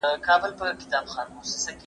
هر ثبت شوی کلیپ یو لوی بریالیتوب دی.